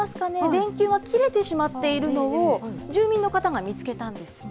電球が切れてしまっているのを住民の方が見つけたんです。